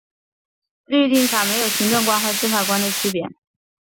律令法没有行政官和司法官的区别。